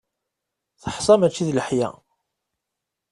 Teḥsa mačči d leḥya.